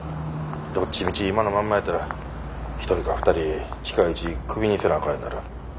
どっちみち今のまんまやったら１人か２人近いうちクビにせなあかんようになる。